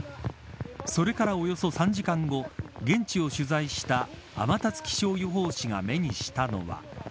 それから、およそ３時間後現地を取材した天達気象予報士が目にしたのは。